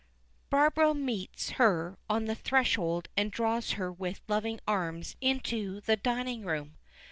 Barbara meets her on the threshold and draws her with loving arms into the dining room.